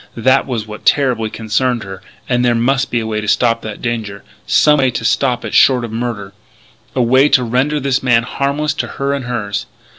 That was what terribly concerned her. And there must be a way to stop that danger some way to stop it short of murder, a way to render this man harmless to her and hers.